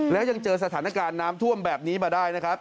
แล้วยังเจอสถานการณ์น้ำท่วมแบบนี้มาได้นะครับ